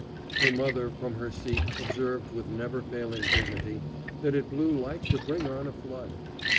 Her mother from her seat observed with never failing dignity that it blew like to bring on a flood.